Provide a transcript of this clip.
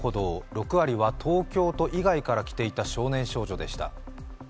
６割は東京都以外から来ていた少年少女たちでした。